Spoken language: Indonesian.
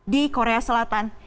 di korea selatan